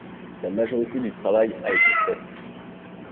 La majorité du travail a été faite.